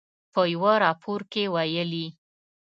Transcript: په یوه راپور کې ویلي